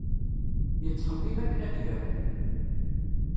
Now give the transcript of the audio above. Yettxemmim akken ad yaru.